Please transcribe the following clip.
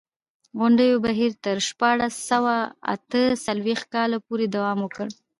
غونډو بهیر تر شپاړس سوه اته څلوېښت کال پورې دوام وکړ.